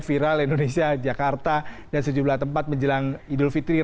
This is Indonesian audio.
viral indonesia jakarta dan sejumlah tempat menjelang idul fitri